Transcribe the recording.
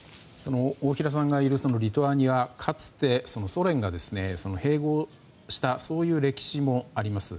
大平さんがいるリトアニアは、かつてソ連が併合したそういう歴史もあります。